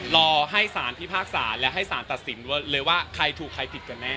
รอให้สารพิพากษาและให้สารตัดสินเลยว่าใครถูกใครผิดกันแน่